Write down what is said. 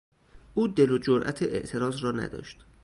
او دل و جرات اعتراض را نداشت.